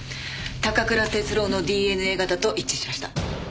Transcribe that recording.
高倉徹郎のＤＮＡ型と一致しました。